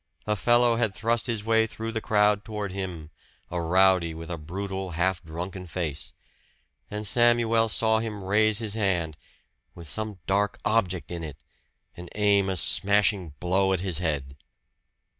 A fellow had thrust his way through the crowd toward him, a rowdy with a brutal, half drunken face. And Samuel saw him raise his hand, with some dark object in it, and aim a smashing blow at his head.